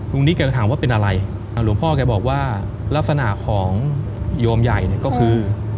นิกแกก็ถามว่าเป็นอะไรหลวงพ่อแกบอกว่าลักษณะของโยมใหญ่เนี่ยก็คือ